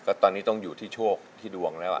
ก็ตอนนี้ต้องอยู่ที่โชคที่ดวงแล้ว